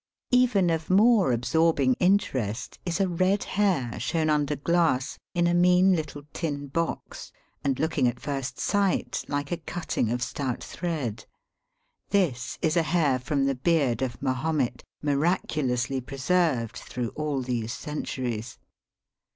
Even of more absorbing interest is a red hair shown under glass in a mean littfe tin box, and looking at first sight like a cutting of stout thread. This is a hair from the beard of Mahomet, miraculously preserved through all these centmies.